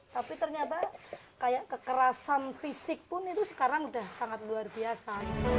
tapi ternyata kayak kekerasan fisik pun itu sekarang udah sangat luar biasa